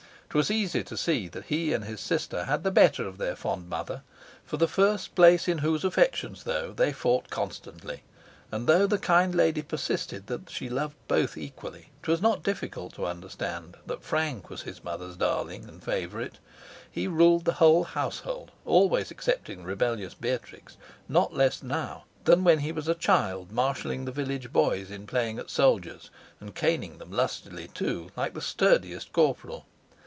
'Twas easy to see that he and his sister had the better of their fond mother, for the first place in whose affections, though they fought constantly, and though the kind lady persisted that she loved both equally, 'twas not difficult to understand that Frank was his mother's darling and favorite. He ruled the whole household (always excepting rebellious Beatrix) not less now than when he was a child marshalling the village boys in playing at soldiers, and caning them lustily too, like the sturdiest corporal.